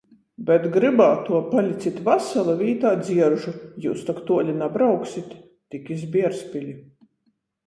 Bet grybātuo "Palicit vasali!" vītā dzieržu "Jius tok tuoli nabrauksit?" Tik iz Bierzpili...